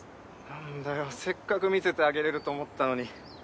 何だよせっかく見せてあげれると思ったのに。